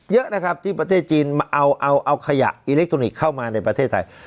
เยอะนะครับที่ประเทศจีนมาเอาเอาขยะอิเล็กทรอนิกส์เข้ามาในประเทศไทย